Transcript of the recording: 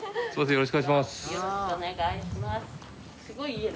よろしくお願いします。